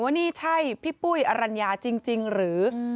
ว่านี่ใช่พี่ปุ้ยอรัญญาจริงหรือ